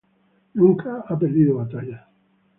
Nunca ha perdido batallas.